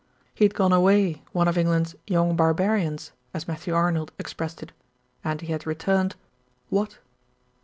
He had gone away one of England's "young barbarians," as Matthew Arnold ex pressed it, and he had returned what?